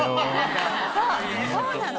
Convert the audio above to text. そうなの！